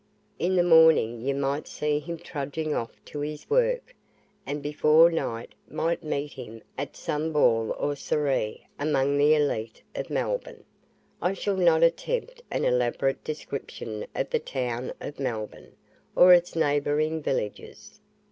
In the morning you might see him trudging off to his work, and before night might meet him at some ball or soiree among the elite of Melbourne. I shall not attempt an elaborate description of the town of Melbourne, or its neighbouring villages.